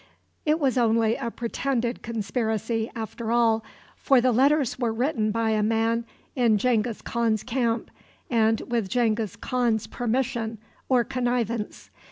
It was only a pretended conspiracy after all, for the letters were written by a man in Genghis Khan's camp, and with Genghis Khan's permission or connivance.